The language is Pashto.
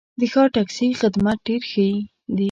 د ښار ټکسي خدمات ډېر ښه دي.